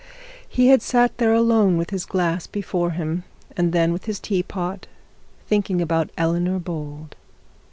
He had sat there alone with his glass before him, and then with his teapot, thinking about Eleanor Bold.